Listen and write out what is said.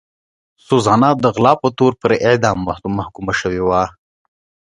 سوزانا د غلا په تور پر اعدام محکومه شوې وه.